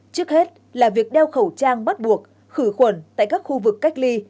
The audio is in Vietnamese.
trước hết là việc đeo khẩu trang bắt buộc khử khuẩn tại các khu vực cách ly